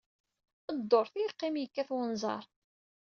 Dduṛt ay yeqqim yekkat wenẓar.